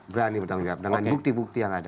berani bertanggung jawab dengan bukti bukti yang ada